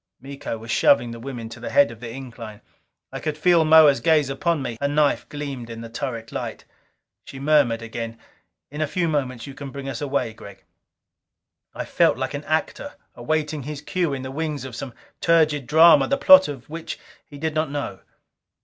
Miko was shoving the women to the head of the incline. I could feel Moa's gaze upon me. Her knife gleamed in the turret light. She murmured again, "In a few moments you can bring us away, Gregg." I felt like an actor awaiting his cue in the wings of some turgid drama the plot of which he did not know.